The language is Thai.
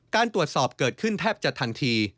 การตรวจสอบเกิดขึ้นแทบจะทันที